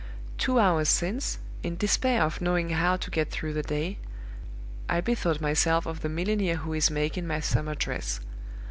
"Two hours since, in despair of knowing how to get through the day, I bethought myself of the milliner who is making my summer dress.